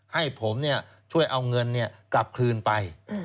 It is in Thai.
ให้ผมช่วยเอาเงินกลับคืนไป